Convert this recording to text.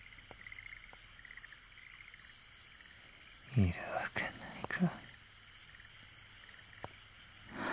いるわけないか。